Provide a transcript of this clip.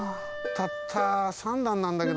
たった３だんなんだけどな。